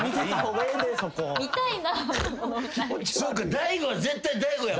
大悟は絶対大悟やもんな。